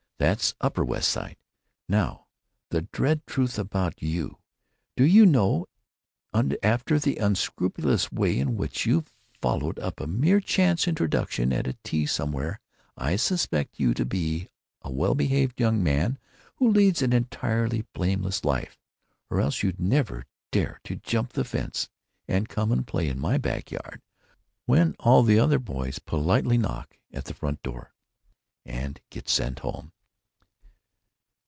That's the Upper West Side. Now the dread truth about you.... Do you know, after the unscrupulous way in which you followed up a mere chance introduction at a tea somewhere, I suspect you to be a well behaved young man who leads an entirely blameless life. Or else you'd never dare to jump the fence and come and play in my back yard when all the other boys politely knock at the front door and get sent home."